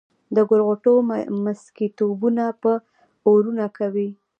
د ګل غوټو مسكيتوبونه به اورونه کوي